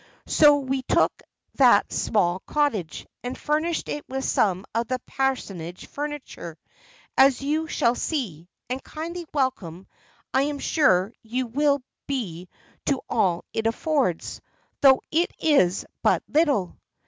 So we took that small cottage, and furnished it with some of the parsonage furniture, as you shall see; and kindly welcome I am sure you will be to all it affords, though that is but little."